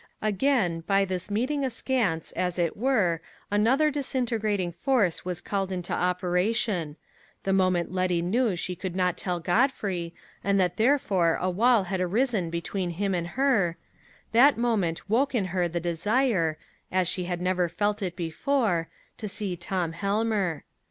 Again, by this meeting askance, as it were, another disintegrating force was called into operation: the moment Letty knew she could not tell Godfrey, and that therefore a wall had arisen between him and her, that moment woke in her the desire, as she had never felt it before, to see Tom Helmer.